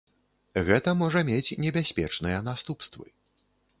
Гэта можа мець небяспечныя наступствы.